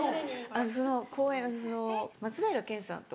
その公演松平健さんと。